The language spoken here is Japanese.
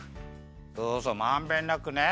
そうそうまんべんなくね。